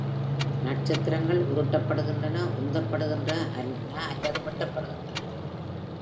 நட்சத்திரங்கள் உருட்டப்படுகின்றன, உந்தப்படுகின்றன அல்லது வெட்டப்படுகின்றன.